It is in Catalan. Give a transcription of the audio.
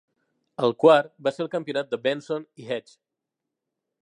El quart va ser el campionat de Benson i Hedges.